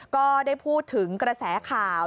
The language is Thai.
ก็ได้พูดถึงกระแสข่าว